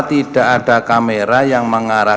tidak ada kamera yang mengarah